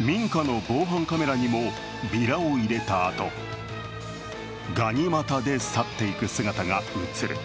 民家の防犯カメラにも、ビラを入れたあと、がに股で去っていく姿が映る。